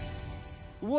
うわ！